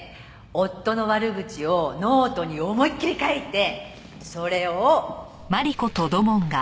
夫の悪口をノートに思いっきり書いてそれを」